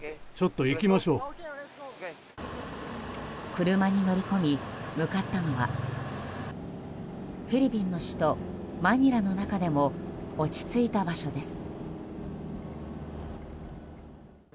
車に乗り込み、向かったのはフィリピンの首都マニラの中でも落ち着いた場所です。